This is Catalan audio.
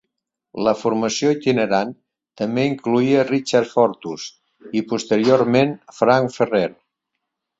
La formació itinerant també incloïa Richard Fortus i, posteriorment, Frank Ferrer.